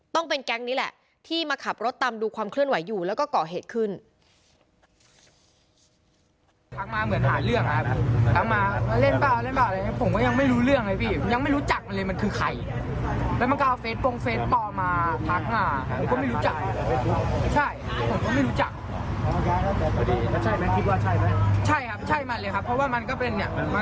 ต้องเป็นแก๊งนี้แหละที่มาขับรถตามดูความเคลื่อนไหวอยู่แล้วก็ก่อเหตุขึ้น